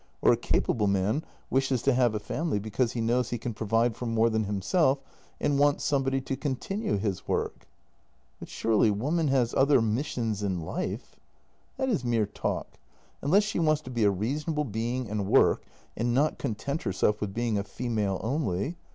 Or a capable man wishes to have a family because he know T s he can provide for more than himself, and wants somebody to continue his work." " But surely woman has other missions in life." " That is mere talk — unless she wants to be a reasonable being and work, and not content herself with being a female only.